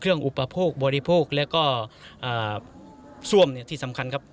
เครื่องอุปโภคบริโภคแล้วก็อ่าซ่วมเนี่ยที่สำคัญครับ